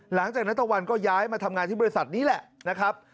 ณตะวันก็ย้ายมาทำงานที่บริษัทนี้แหละนะครับ